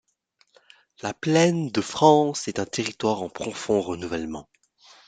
La plaine de France est un territoire en profond renouvellement.